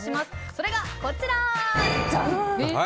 それがこちら！